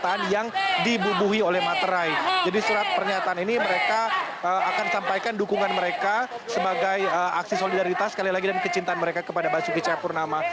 surat penyelidikan yang dibubuhi oleh materai jadi surat penyelidikan ini mereka akan sampaikan dukungan mereka sebagai aksi solidaritas sekali lagi dan kecintaan mereka kepada basuki cahayapurnama